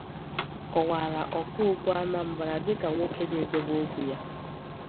kọwàrà Ọkaokwu Anambra dịka nwoke na-edebe okwu ya